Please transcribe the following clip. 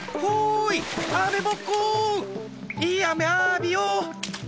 いいあめあびよ！